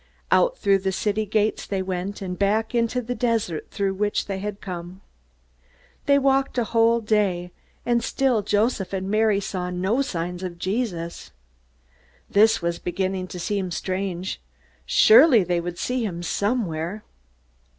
Out through the city gates they went, and back into the desert through which they had come. They walked a whole day, and still Joseph and Mary saw no sign of Jesus. This was beginning to seem strange. Surely they would see him somewhere!